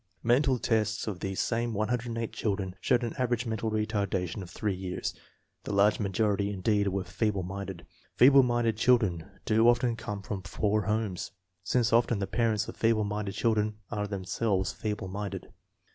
Mental tests of these same 108 children showed an average mental retardation of three years. The large majority, indeed, were feeble minded. Feeble minded children do often come from poor homes, since often the parents of feeble minded children are themselves feeble minded.